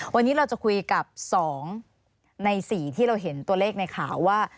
วันนี้เราจะคุยกับ๒ใน๔ที่เราเห็นตัวเลขในข่าวว่า